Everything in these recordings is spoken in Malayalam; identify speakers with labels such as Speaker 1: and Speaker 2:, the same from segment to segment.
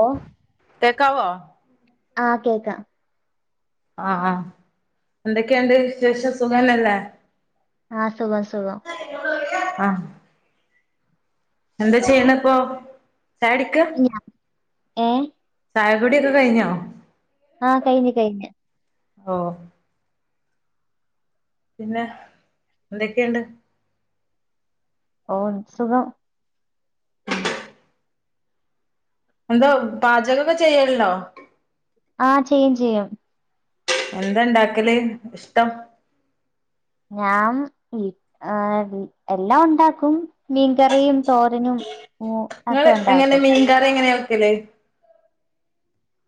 Speaker 1: ഓഹ്
Speaker 2: കേക്കാവോ
Speaker 1: ആഹ് കേക്കാം
Speaker 2: ആഹ് എന്തൊക്കെയുണ്ട് വിശേഷം സുഖന്നല്ലേ
Speaker 1: ആഹ് സുഖം സുഖം
Speaker 2: ആഹ് എന്താ ചെയ്യണിപ്പൊ ചായക്ക്
Speaker 1: ഏഹ്
Speaker 2: ചായകുടിയൊക്കെ കഴിഞ്ഞോ
Speaker 1: ആഹ് കഴിഞ്ഞ് കഴിഞ്ഞ്
Speaker 2: ഓഹ് പിന്നെ എന്തൊക്കെയുണ്ട്
Speaker 1: ഓഹ് സുഖം
Speaker 2: എന്തോ പാചകോക്കെ ചെയ്യല്ലോ
Speaker 1: ആഹ് ചെയ്യും ചെയ്യും
Speaker 2: എന്തണ്ടാക്കല് ഇഷ്ടം
Speaker 1: ഞാൻ ഇ ഏഹ് എല്ലാം ഒണ്ടാക്കും മീൻകറിയും തോരനും ഉം ഒക്കെ ഉണ്ടാക്കും
Speaker 2: കറി മീൻകറി എങ്ങനെ വെക്കല്?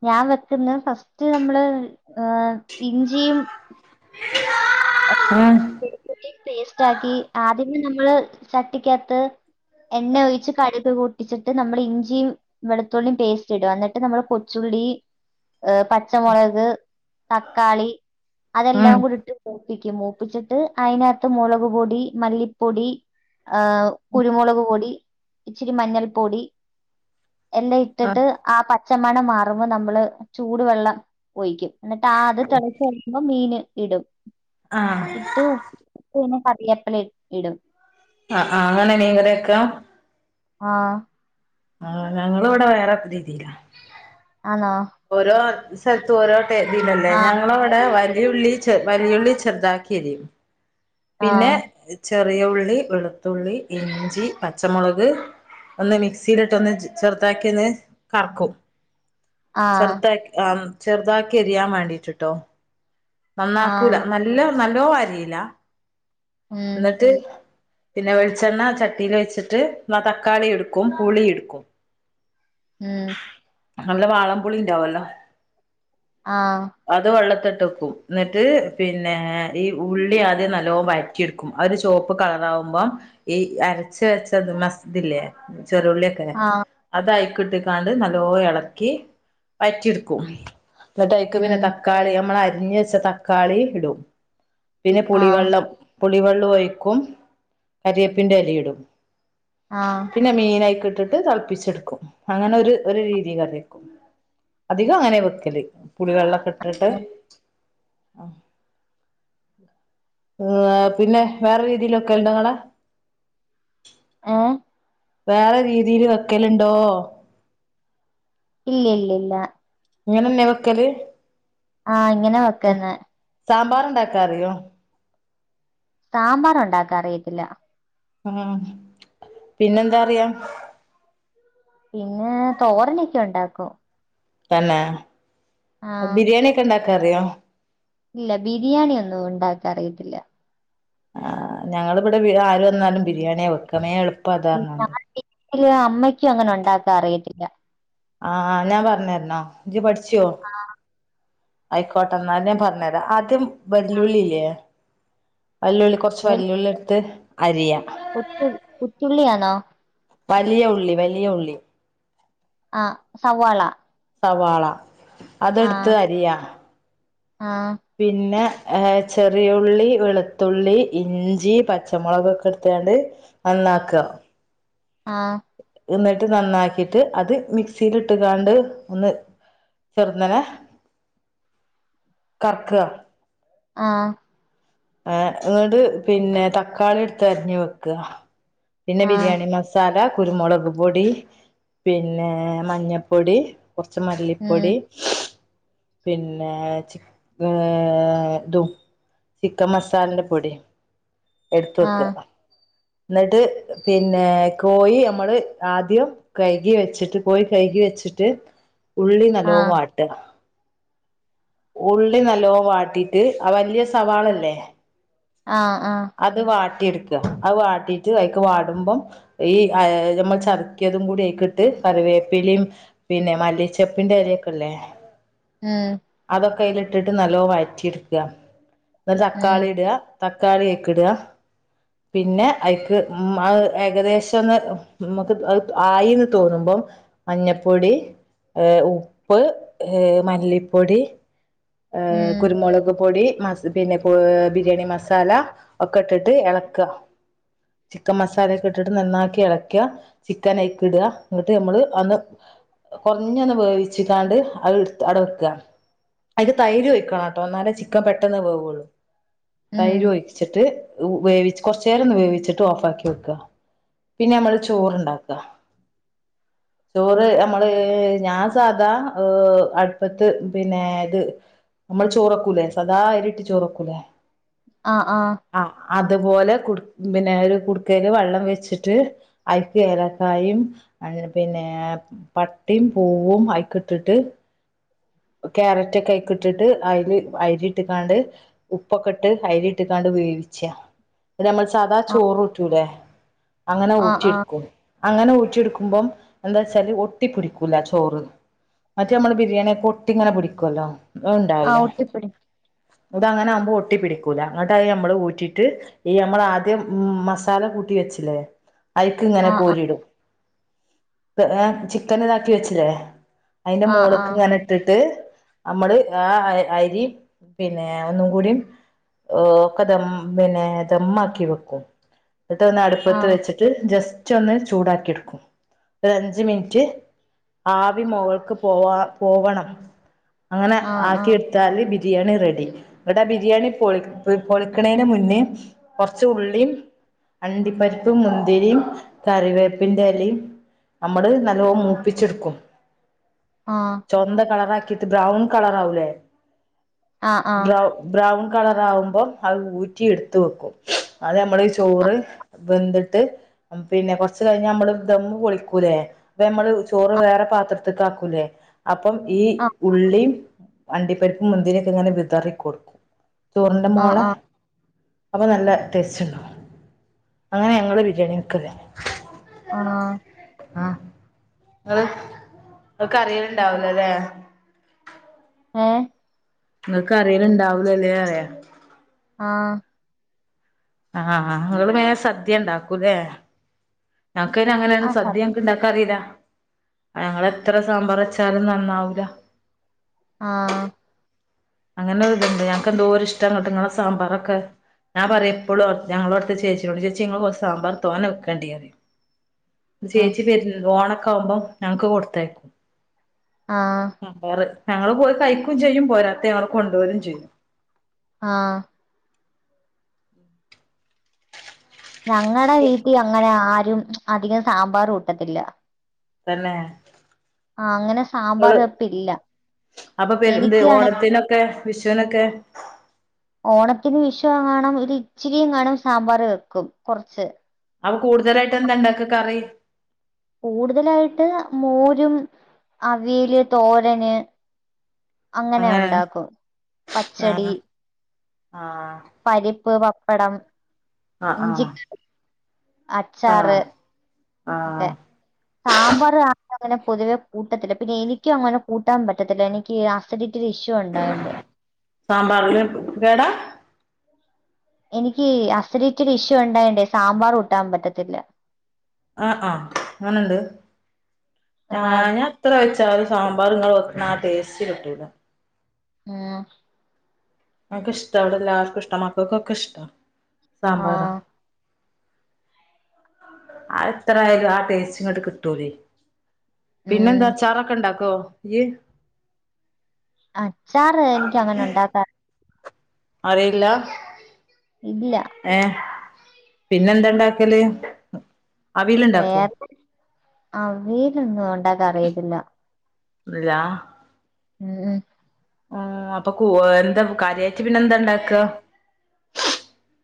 Speaker 1: ഞാൻ വെക്കുന്നത് ഫസ്റ്റ് നമ്മള് ഏഹ് ഇഞ്ചിയും
Speaker 2: അതാണ്
Speaker 1: വെളുതുള്ളി പേസ്റ്റ് ആക്കി ആദ്യമേ നമ്മള് ചട്ടിക്കാത്ത് എണ്ണ ഒയിച്ച് കട്ക് പൊട്ടിച്ചിട്ട് നമ്മൾ ഇഞ്ചിം വെളുത്തുള്ളിം പേസ്റ്റ് ഇടാ. എന്നിട്ട് നമ്മള് കൊച്ചുള്ളി ഏഹ് പച്ചമുളക് തക്കാളി
Speaker 2: ഉം
Speaker 1: അതെല്ലാം കൂടീട്ട് മൂപ്പിക്കും മൂ പ്പിച്ചിട്ട് അതിനകത്ത് മുളക്പൊടി, മല്ലിപ്പൊടി ഏഹ് കുരുമുളക് പൊടി, ഇച്ചിരി മഞ്ഞൾ പൊടി, എല്ലം
Speaker 2: ആഹ്
Speaker 1: ഇട്ടിട്ട് ആ പച്ച മണം മാറുമ്പം നമ്മള് ചൂടുവെള്ളം ഒഴിക്കും. എന്നിട്ട് ആ അത് തെളച്ച് കഴിയുമ്പം മീന് ഇടും.
Speaker 2: ആഹ്
Speaker 1: ഇട്ട് ഉപ്പ് പിന്നെ കറിയാപ്പില ഇ ഇടും.
Speaker 2: ആഹ് ആഹ് അങ്ങനെ മീൻ കറി വെക്കാ.
Speaker 1: ആഹ്
Speaker 2: ആഹ് ഞങ്ങള് ഇവടെ വേറെ രീതിലാ.
Speaker 1: ആന്നോ
Speaker 2: ഓരോ സ്ഥലത്തും ഓരോ ടെ ഇതിലല്ലേ.
Speaker 1: ആഹ്
Speaker 2: ഞങ്ങളെവടെ വലിയുള്ളി ചെ വലിയുള്ളി ചെറുതാക്കിരി എരിയും. പിന്നെ
Speaker 1: ആഹ്
Speaker 2: ചെറിയ ഉള്ളി, വെളുത്തുള്ളി, ഇഞ്ചി, പച്ചമുളക്, ഒന്ന് മിക്സിയിലിട്ടൊന്ന് ചെറുതാക്കി ഒന്ന് കറക്കും.
Speaker 1: ആഹ്
Speaker 2: ചെറുതാക് ആഹ് ചെറുതാക്കി എരിയാൻ വേണ്ടീട്ട്ട്ടോ.
Speaker 1: ആഹ്
Speaker 2: നന്നാക്കൂല നല് ല്ല നല്ലോം അരീല്ല.
Speaker 1: ഉം
Speaker 2: ഇന്നട്ട് പിന്നെ വെളിച്ചെണ്ണ ചട്ടീൽ വെച്ചിട്ട് ന്ന തക്കാളി ഇട്ക്കും പുളി ഇട്ക്കും
Speaker 1: ഉം
Speaker 2: നല്ല വാളംപുളിണ്ടാവൊല്ലോ.
Speaker 1: ആഹ്
Speaker 2: അത് വെള്ളത്ത് ഇട്ടക്കും. ഇന്നട്ട് പിന്നെ ഈ ഉള്ളി ആദ്യം നല്ലോം വയ റ്റിയെടുക്കും. അതൊരു ചോപ്പ് കളറാവുമ്പോം ഈ അരച്ച് വെച്ചത് മസ് ദ്ല്ലേ. ചെറുള്ള്യൊക്കെ
Speaker 1: ആഹ്
Speaker 2: അതയ്ക്കിട്ട്ക്കാണ്ട് നല്ലോ എളക്കി വയറ്റിട്ക്കും. ഇന്നട്ടയ്ക്ക് പിന്നെ
Speaker 1: ഉം
Speaker 2: ത ക്കാളി നമ്മൾ അരിഞ്ഞ് വെച്ച തക്കാളി ഇടും. പിന്നെ
Speaker 1: ആഹ്
Speaker 2: പുളിവെള്ളം പുളിവെള്ളും ഒഴിക്കും കരിയേപ്പിന്റെ എല യിടും.
Speaker 1: ആഹ്.
Speaker 2: പിന്നെ മീനയ്ക്ക് ഇട്ടിട്ട് തളപ്പിച്ചെടുക്കും. അങ്ങനെ ഒരു ഒരു രീതി കറി വെക്കും. അധികം അങ്ങനെ വെക്കല് പുളിവെള്ളക്കെ ഇട്ടാട്ട്. ആഹ്. ഏഹ് പിന്നെ വേറെ രീതിയില് വെക്കല്ണ്ടൊങ്ങളെ?
Speaker 1: ഏഹ്?
Speaker 2: വേറെ രീതീല് വെക്കലുണ്ടോ?
Speaker 1: ഇല്ല്യല്ലല്ലാ.
Speaker 2: ഇങ്ങനെന്നെ വെക്കല്?
Speaker 1: ആഹ് ഇങ്ങനെ വെക്ക്ന്നെ.
Speaker 2: സാമ്പാർ ഇണ്ടാക്കാ അറിയോ?
Speaker 1: സാമ്പാറ ഉണ്ടാക്കാൻ അറിയത്തില്ല.
Speaker 2: ഉം പിന്നെന്താ അറിയാം?
Speaker 1: പിന്നെ തോരനൊക്കെ ഒണ്ടാക്കും.
Speaker 2: തന്നെ
Speaker 1: ആഹ്
Speaker 2: ബിരിയാണിക്കെണ്ടാക്കാ അറിയോ?
Speaker 1: ഇല്ല ബിരിയാണിയ ഒന്നു ഉണ്ടാക്ക അറിയത്തില്ല.
Speaker 2: ആഹ് ഞങ്ങളിവിടെ ആര് വന്നാലും ബിരിയാണിയെ വെക്കമേ എള്
Speaker 1: ല്ല അമ്മയ്ക്കും അങ്ങനെ ഒണ്ടാക്കാൻ അറിയത്തില്ല.
Speaker 2: ആഹ് ഞാൻ പറഞ്ഞരണോ ജ്ജ് പഠിച്ചോ?
Speaker 1: ആഹ്.
Speaker 2: ആയിക്കോട്ടെ എന്നാൽ പറഞ്ഞരാ ആദ്യം വെല്ല്യുള്ളില്ലേ? വല്ലുള്ളി കൊറച്ച് വല്ലുള്ളി എടുത്ത് അരിയാ
Speaker 1: ഉത്തുൾ ഉത്തുള്ളിയണോ?
Speaker 2: വലിയ ഉള്ളി വലിയ ഉള്ളി.
Speaker 1: ആഹ് സവോള-
Speaker 2: സവാള അതെടുത്ത് അരിയാ
Speaker 1: ആഹ്.
Speaker 2: പിന്നെ ഏഹ് ചെറിയുള്ളി വെളുത്തുള്ളി ഇഞ്ചി പച്ചമൊളകൊക്കെ എടുത്ത് കാണ്ട് നന്നാക്കാ-
Speaker 1: ആഹ്.
Speaker 2: എന്നട്ട് നന്നാക്കീട്ട് അത് മിക്സീലിട്ട് കാണ്ട് ഒന്ന് ചെറുന്നനെ കറക്കാ-
Speaker 1: ആഹ്.
Speaker 2: ആഹ് എന്നട്ട് പിന്നെ തക്കാളിയെട്ത്ത് അരിഞ്ഞ് വെക്കാ പിന്നെ
Speaker 1: ആഹ്
Speaker 2: ബിരിയാണി മസ് സാല കുരുമൊളക് പൊടി പിന്നേ മഞ്ഞപ്പൊടി കൊറച്ച്
Speaker 1: ഉം
Speaker 2: മല്ലിപ്പൊടി പിന്നേ ചിക്ക് ഏഹ് തും ചിക്കൻ മസാലന്റ പൊടി എടുത്ത് വെക്കാ
Speaker 1: ആഹ്
Speaker 2: അഹ് എന്നട്ട് പിന്നേ കോയി നമ്മള് ആദ്യം കയികി വെച്ചിട്ട് കോയി കയികി വെച്ചിട്ട് ഉള്ളി നല്ലോം
Speaker 1: ആഹ്
Speaker 2: വാട്ട്അ. ഉള്ളി നല്ലോം വാട്ടീട്ട് ആഹ് വല്ല്യ സവാളല്ലേ
Speaker 1: ആഹ് ആഹ്.
Speaker 2: അത് വാട്ടിയെട്ക്കാ അത് വാട്ടീട്ട് അയിക്ക് വാടുമ്പം ഈ അയ് ഞമ്മൾ ചതക്കിയതും കൂടി അയിക്കിട്ട് കറിവേപ്പിലേം പിന്നെ മല്ലിച്ചെപ്പിന്റെ എലയൊക്കില്ലേ
Speaker 1: ഉം.
Speaker 2: അതൊക്കെ അയിലിട്ടിട്ട് നല്ലോ വയറ്റിയെട്ക്ക എന്നട്ട്
Speaker 1: ഉം
Speaker 2: തക്കാളി ഇട്അ തക്കാളിയൊക്കെട്അ പിന്നെ അയിക്ക് ഉം അത് ഏകദേശൊന്ന് നമക്ക് അ് ആയീന്ന് തോന്നുമ്പം മഞ്ഞപ്പൊടി ഏഹ് ഉപ്പ് ഏഹ് മല്ലിപ്പ് പൊടി
Speaker 1: ഉം
Speaker 2: ഏഹ് കുരുമൊളക് പൊടി മസ് ത് പിന്നെ പൊ അഹ് ബിരിയാണി മസാല ഒക്കെട്ടിട്ട് എളക്ക്അ. ചിക്കൻ മസാലയൊക്കിട്ടിട്ട് നന്നാക്കിയെളക്ക്യാ ചിക്കനയിക്കിട്അ എന്നിട്ട് ഞമ്മള് അന്ന് കൊറഞ്ഞൊന്ന് വേവിച്ച് കാണ്ട് അത് എട്ത്ത് അട വെക്ക്അ. അയില് തൈര് ഒയിക്കണട്ടോ എന്നാലേ ചിക്കൻ പെട്ടെന്ന് വേവൊള്ളൂ
Speaker 1: ഉം
Speaker 2: തൈര് ഒഴിച്ചട്ട് ഉ വേവിച്ച് കൊറച്ച് നേരൊന്ന് വേവിച്ചിട്ട് ഓഫാക്കി വെക്ക്ക പിന്നെ അമ്മള് ചോറ്ണ്ടാക്ക ചോറ് നമ്മള് ഞാൻ സാധാ ഉഹ് അടുപ്പത്ത് പിന്നേ ഇത് നമ്മള് ചോറെക്കൂലേ സദാ അരിയിട്ട് ചോറെക്കൂലേ
Speaker 1: ആഹ് ആഹ്
Speaker 2: ആഹ് അതുപോലെ കുടുക്ക് പിന്നെ ഒരു കുടുക്കേല് വെള്ളം വെച്ചിട്ട് അയിൽക്ക് ഏലക്കായും അയ് പിന്നേ പട്ടേം പൂവും അയിക്കിട്ടിട്ട് ക്യാരറ്റൊക്കെ അയിക്കിട്ടിട്ട് അയില് അരി ഇട്ട്ങ്ങാണ്ട് ഉപ്പൊക്കെട്ട് അരിയിട്ട് കാണ്ട് വേവിച്ച ഇത് ഞമ്മള് സാധാ
Speaker 1: ആഹ്
Speaker 2: ചോറൂറ്റൂലേ അങ്ങനെ
Speaker 1: ആഹ് ആഹ്
Speaker 2: ഊറ്റിയെട്ക്കും അങ്ങനെ ഊറ്റിയെടുക്കുമ്പം എന്താച്ചാല് ഒട്ടിപ്പിടിക്കൂല ചോറ് മറ്റേ നമ്മള് ബിരിയാണിയെക്ക ഒട്ടിങ്ങനെ പിടിക്കുവല്ലോ
Speaker 1: ആഹ്
Speaker 2: അത്ണ്ടാവൂല
Speaker 1: ഒറ്റപ്പിടി
Speaker 2: ഇതങ്ങനാവുമ്പോ ഒട്ടി പിടിക്കൂല അങ്ങട്ടായി നമ്മള് ഊറ്റീട്ട് ഈയമ്മളാദ്യം ഉം മസാല കൂട്ടി വെച്ചില്ലേ അയിക്കിങ്ങനെ
Speaker 1: ആഹ്
Speaker 2: കോരിയിടും ത് ഏഹ് ചിക്കനിതാക്കി വെച്ചില്ലേ അയിന്റ
Speaker 1: ആഹ് ആഹ്
Speaker 2: മോള്ക്ക്ങ്ങനെട്ട് ട്ടിട്ട് നമ്മള് ആഹ് അര് അരി പിന്നേ ഒന്നും കൂടിം ഓ ഒക്കെ ദം പിന്നെ ദമ്മാക്കി വെക്കും ഇട്ടൊന്നടുപ്പത്ത്
Speaker 1: ആഹ്
Speaker 2: വെച്ച് ട്ട് ജസ്റ്റൊന്ന് ചൂടാക്കി എട്ക്കും ഒരഞ്ച് മിനിറ്റ് ആവി മുകൾക്ക് പോവാ പോവണം അങ്ങനെ
Speaker 1: ആഹ് ആഹ്
Speaker 2: ആക്കി
Speaker 1: ആഹ്
Speaker 2: എടു ത്താല് ബിരിയാണി റെഡി ഇബടെ ബിരിയാണി പൊളി പൊളിക്കണേന് മുന്നേം കൊറച്ച് ഉള്ളീം അണ്ടിപ്പരിപ്പും മുന്തിരീം കറിവേപ്പിന്റെ എലെം നമ്മള് നല്ലോ മൂപ്പിച്ചെടുക്കും
Speaker 1: ആഹ്
Speaker 2: ചൊവന്ത കളറാക്കിട്ട് ബ്രൗൺ കളറാവൂലെ
Speaker 1: ആഹ് ആഹ്
Speaker 2: ബ്രൗ ബ്രൗൺ കളറാകുമ്പം അത് ഊറ്റി എടുത്ത് വെക്കും അത് നമ്മള് ചോറ് ബന്തിട്ട് പിന്നെ കൊറച്ച് കഴിഞ്ഞാ മ്മള് ദമ്മ് പൊളിക്കൂലേ [unintelligible] നമ്മള് ചോറ് വേറെ പാത്രത്തിക്ക് ആക്കൂല്ലേ ഈ
Speaker 1: ആഹ്
Speaker 2: ഉള്ളീം അണ്ടിപ്പരിപ്പും മുന്തിരിക്കെങ്ങനെ വിതറിക്കൊടുക്കും ചോറിന്റെ
Speaker 1: ആഹ്
Speaker 2: മോളാ
Speaker 1: ആഹ്
Speaker 2: അപ്പോ നല്ല ടേസ്റ്റ് ണ്ടാവും അങ്ങനെ ഞങ്ങള് ബിരിയാണി വെക്കല്
Speaker 1: ആഹ്
Speaker 2: ആഹ് നിങ്ങള് നിങ്ങക്കറിയലുണ്ടാവലോല്ലേ
Speaker 1: ഏഹ്
Speaker 2: നിങ്ങക്ക് അറിയലണ്ടാവുലുല്ലേ പറയ
Speaker 1: ആഹ്
Speaker 2: ആഹ് ആഹ് ആഹ് നിങ്ങള് വേഗം സദ്യ ഉണ്ടാക്കൂല്ലേ ഞങ്ങക്ക് പിന്നെ
Speaker 1: ആ ആ
Speaker 2: അങ്ങനെയൊന്നും
Speaker 1: സ
Speaker 2: സദ്യ ഇണ്ടാക്കറിയില്ല ഞങ്ങളെത്ര സാമ്പാറ് വെച്ചാലും നന്നാവൂല
Speaker 1: ആഹ്
Speaker 2: അങ്ങനൊരിതുണ്ട് ഞങ്ങക്ക് എന്തോരിഷ്ടന്നോ നിങ്ങളെ സാമ്പാറൊക്കെ ഞാൻ പറയും എപ്പളും ഞങ്ങളോടത്തെ ചേച്ചിനോട് ചേച്ചി ഇങ്ങള് കൊറച്ച് സാമ്പാറ് തോന വെക്കാണ്ടിപറയും
Speaker 1: ആഹ്
Speaker 2: ചേച്ചി [unintelligible] ഓണക്കാവുമ്പം ഞങ്ങക്ക് കൊടുത്തയക്കും
Speaker 1: ആഹ്
Speaker 2: വേറെ ഞങ്ങള് പോയ് കഴിക്കും ചെയ്യും പോരാത്ത ഞങ്ങള് കൊണ്ടോരും ചെയ്യും
Speaker 1: ആഹ് ഞങ്ങടെ വീട്ടിൽ അങ്ങനെ ആരും അധികം സാമ്പാർ കൂട്ടത്തില്ല
Speaker 2: തന്നെ
Speaker 1: ആഹ അങ്ങനെ സാമ്പാർ
Speaker 2: ഇങ്ങള്
Speaker 1: വെപ്പില്ല
Speaker 2: അപ്പൊ പെരു ന്ത്
Speaker 1: എനിക്കാണെ
Speaker 2: ഓണത്തിനൊക്കെ വിഷുനൊക്കെ
Speaker 1: ഓണത്തിന് വിഷുവേങ്ങാനും ഒരിച്ചിരിങ്ങാനും സാമ്പാർ വെക്കും കുറച്ച്
Speaker 2: അപ്പോ കൂടുതലായിട്ട് എന്താ ഇണ്ടാക്ക കറി
Speaker 1: കൂടുതലായിട്ട് മോരും അവിയല് തോരന് അങ്ങനെ ഉണ്ടാക്കും പച്ചടി
Speaker 2: ആഹ് ആഹ്
Speaker 1: പരിപ്പ് പപ്പടം
Speaker 2: ആഹ് ആഹ്
Speaker 1: ഇഞ്ചിക്കറി അച്ചാറ്
Speaker 2: ആഹ്
Speaker 1: ഒക്കെ
Speaker 2: ആഹ്
Speaker 1: സാമ്പാർ ആ അങ്ങനെ പൊതുവെ കൂട്ടത്തില്ല പിന്നെ എനിക്കും അങ്ങനെ കൂട്ടാൻ പറ്റത്തില്ല എനിക്ക് ആസ് അതിറ്റൊരു ഇഷ്യൂ ഉണ്ടായോണ്ട്
Speaker 2: സാമ്പാറില് കേടാ
Speaker 1: എനിക്കീ അസിഡിറ്റിടെഇഷ്യു ഉണ്ടായോണ്ടേ സാമ്പാർ കൂട്ടാൻ പറ്റത്തില്ല
Speaker 2: ആഹ ആഹ് അങ്ങനണ്ട്
Speaker 1: ആ
Speaker 2: ആഹ് ഞാൻ എത്ര വെച്ചാലും സാമ്പാറ് ഇങ്ങള് വെക്ക്ണ ആ ടേസ്റ്റ് കിട്ടൂല
Speaker 1: ഉം
Speaker 2: ങ്ങക്ക് ഇഷ്ടാ ഇവിടെല്ലാർക്കിഷ്ട മക്കക്കൊക്കെ ഇഷ്ട
Speaker 1: ആ
Speaker 2: സാമ്പാറാ അയെത്രയാലും ആ ടേസ്റ്റിങ്ങട്ട് കിട്ടൂലെ പിന്നെന്താ
Speaker 1: ഉം
Speaker 2: അച്ചാറൊക്കെ ഇണ്ടാക്കോ ഇയ്യ്
Speaker 1: അച്ചാറ് എനിക്കങ്ങനെ ഉണ്ടാക്കാന്
Speaker 2: അറിയില്ല
Speaker 1: ഇല്ല
Speaker 2: ഏഹ് പിന്നെ എന്തണ്ടാക്കല്
Speaker 1: വേറെ അവിയലൊന്നും ഒണ്ടാക്കാൻ അറിയത്തില്ല
Speaker 2: ഇല്ല
Speaker 1: ഉം ഉം
Speaker 2: അപ്പ കു എന്താ കാര്യായിട്ട് പിന്നെ എന്താ ഇണ്ടാക്ക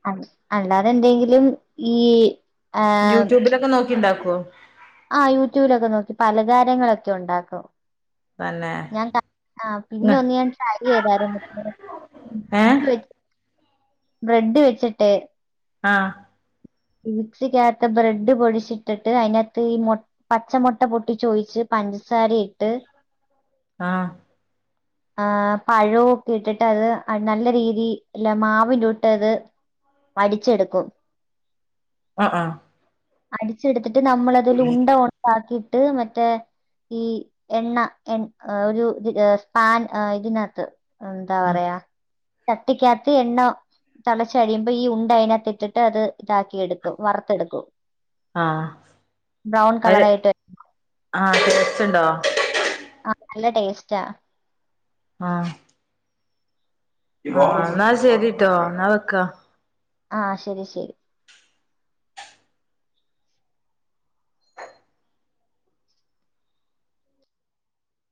Speaker 1: അ അല്ലാതെന്തെങ്കിലും ഈ ആ
Speaker 2: യൂട്യൂബിലൊക്കെ നോക്കി ഇണ്ടാക്കൊ
Speaker 1: ആ യൂട്യൂബിലൊക്കെ നോക്കി പലതാരങ്ങളൊക്കെ ഉണ്ടാക്കും
Speaker 2: തന്നെ
Speaker 1: ഞാൻ ആ പിന്നെ ഒന്ന് ഞാൻ ട്രൈ ചെയ്തായിരുന്നു
Speaker 2: ഏഹ്
Speaker 1: [unintelligible] ബ്രെഡ് വെച്ചിട്ടേ
Speaker 2: ആഹ്
Speaker 1: ഇ മിക്സിക്കത്ത് ബ്രെഡ് പൊടിച്ചിട്ടിട്ട് അതിനാത്ത് ഈ മൊ പച്ചമൊട്ട പൊട്ടി ചോയിച്ച് പഞ്ചസാര ഇട്ട്
Speaker 2: ആഹ്
Speaker 1: ആ പഴോ ഒക്കെ ഇട്ടിട്ട് അത് നല്ല രീതി അല്ല മാവിന്റോട്ട് അത് മടിച്ചെടുക്കും
Speaker 2: ആഹ് ആഹ്
Speaker 1: അടിച്ചെടുത്തിട്ട് നമ്മള് അതിൽ ഉണ്ടകൊ ണ്ടാക്കിട്ട് മറ്റേ ഈ എണ്ണ എ ആ ഒരു ഇ സ്പാൻ ഇതിനാത്ത് എന്താ പറയാ ചട്ടിക്കാത്ത് എണ്ണ തെളച്ചഴിയുമ്പോ ഈ ഉണ്ട അതിനാത്ത് ഇട്ടിട്ട് അത് ഇതാക്കി എടുക്കും വറുത്തെടുക്കും
Speaker 2: ആഹ്
Speaker 1: ബ്രൗൺ
Speaker 2: അത്
Speaker 1: കളറായിട്ട്
Speaker 2: ആഹ് [inaudible] ണ്ടോ
Speaker 1: ആഹ് നല്ല ടേസ്റ്റാ
Speaker 2: ആഹ് ആഹ് ഇന്നാ ശെരിട്ടോ ഇന്നാ വെക്ക
Speaker 1: ആഹ് ശെരി ശെരി